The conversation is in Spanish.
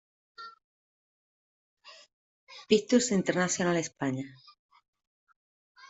Pictures International España".